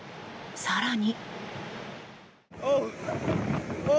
更に。